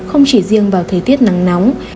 không chỉ riêng vào thời tiết nắng nóng